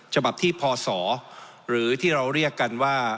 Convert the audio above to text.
ฉบับที่พศหรือที่เราเรียกกันว่า